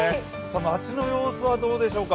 街の様子はどうでしょうか。